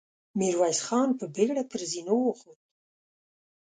ميرويس خان په بېړه پر زينو وخوت.